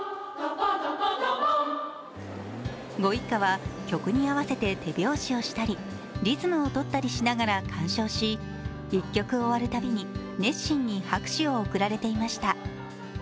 ご一家は曲に合わせて手拍子をしたりリズムをとったりしながら鑑賞し１曲終わるたびに熱心に拍手を送られていました。